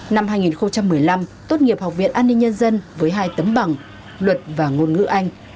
năm hai nghìn một mươi năm tốt nghiệp học viện an ninh nhân dân với hai tấm bằng luật và ngôn ngữ anh